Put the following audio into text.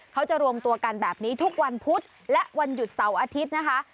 เขาจะรวมตัวกันแบบนี้ทุกวันพุธและวันหยุดเสาร์อาทิตย์นะคะ